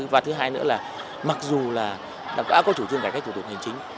và thứ hai nữa là mặc dù là đã có chủ trương cải cách thủ tục hành chính